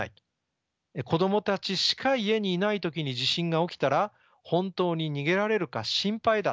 子供たちしか家にいない時に地震が起きたら本当に逃げられるか心配だ」。